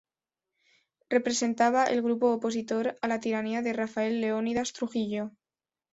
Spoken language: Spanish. Representaba el grupo opositor a la tiranía de Rafael Leónidas Trujillo.